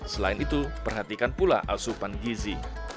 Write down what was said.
selain itu perhatikan pula asupan gizi